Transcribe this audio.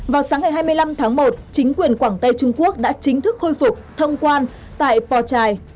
vào sáng ngày hai mươi năm tháng một chính quyền quảng tây trung quốc đã chính thức khôi phục thông quan tại po chai